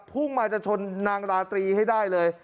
พุ่งมาจะชนนางราตรีให้ได้เลย